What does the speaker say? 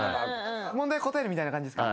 問題に答えるみたいな感じですか？